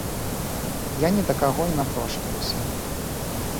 Я ні да каго не напрошваюся.